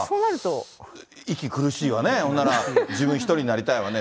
息苦しいわね、本なら自分一人になりたいわね。